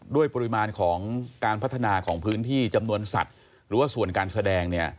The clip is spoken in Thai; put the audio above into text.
ด้วยปริมาณของการพัฒนาของพื้นที่จำนวนสัตว์หรือว่าส่วนการแสดง